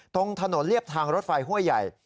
ตรงถนนเรียบทางรถไฟห้วยใหญ่